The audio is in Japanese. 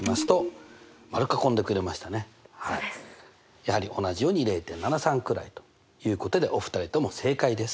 やはり同じように０．７３くらいということでお二人とも正解です！